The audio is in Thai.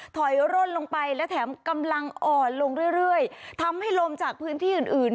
ถอยร่นลงไปและแถมกำลังอ่อนลงเรื่อยเรื่อยทำให้ลมจากพื้นที่อื่นอื่น